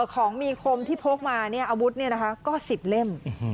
ของมีคมที่พกมาอาวุธก็๑๐เล่ม